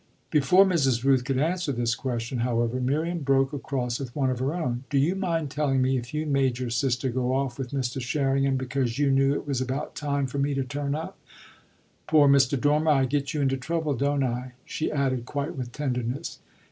Before Mrs. Rooth could answer this question, however, Miriam broke across with one of her own. "Do you mind telling me if you made your sister go off with Mr. Sherringham because you knew it was about time for me to turn up? Poor Mr. Dormer, I get you into trouble, don't I?" she added quite with tenderness.